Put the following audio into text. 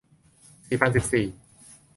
สี่พันสิบสี่